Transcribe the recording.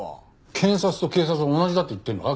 検察と警察が同じだと言ってるのか？